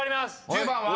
［１０番は？］